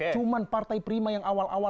cuma partai prima yang awal awal